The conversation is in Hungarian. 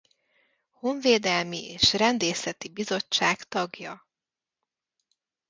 Honvédelmi és rendészeti bizottság tagja.